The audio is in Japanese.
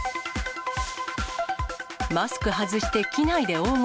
マスク外して機内で大声。